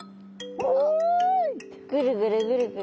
あっぐるぐるぐるぐる。